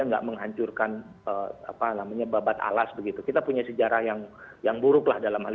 enggak menghancurkan apa namanya babat alas begitu kita punya sejarah yang yang buruklah dalam hal